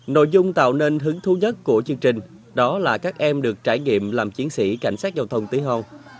nội dung tạo nên hứng thú nhất của chương trình đó là các em được trải nghiệm làm chiến sĩ cảnh sát giao thông tí hôn